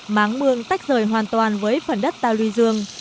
máng mương tách rời hoàn toàn với phần đất tàu lưu dương